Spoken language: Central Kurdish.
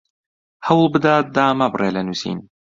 هەوڵ بدە دامەبڕێ لە نووسین